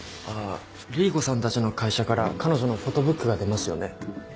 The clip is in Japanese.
あっ凛々子さんたちの会社から彼女のフォトブックが出ますよね？